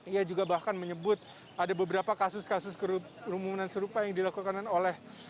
ia juga bahkan menyebut ada beberapa kasus kasus kerumunan serupa yang dilakukan oleh